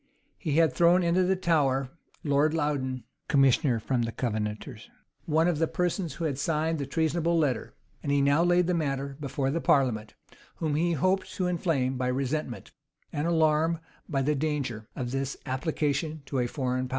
He had thrown into the Tower Lord Loudon, commissioner from the Covenanters, one of the persons who had signed the treasonable letter.[*] And he now laid the matter before the parliament, whom he hoped to inflame by the resentment, and alarm by the danger, of this application to a foreign power.